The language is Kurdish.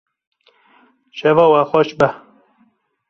Şeva we xweş be.